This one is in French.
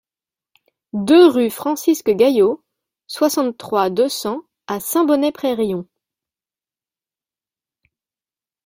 deux rue Francisque Gaillot, soixante-trois, deux cents à Saint-Bonnet-près-Riom